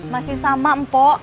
masih sama empo